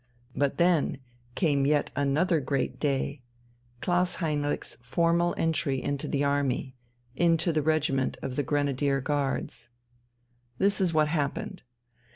But then came yet another great day Klaus Heinrich's formal entry into the Army, into the regiment of Grenadier Guards. This is what happened.